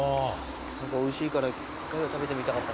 おいしいから一回は食べてみたかった。